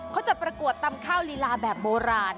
จะประกวดตำข้าวลีลาแบบโบราณ